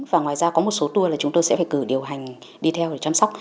và ngoài ra có một số tour là chúng tôi sẽ phải cử điều hành đi theo để chăm sóc